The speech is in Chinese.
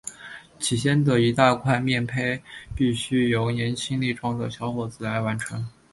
起先的一大块面培必须由年轻力壮的小伙子来完成。